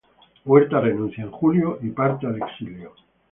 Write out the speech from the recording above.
Huerta renuncia en julio y parte al exilio.